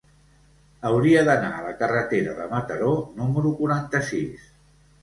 Hauria d'anar a la carretera de Mataró número quaranta-sis.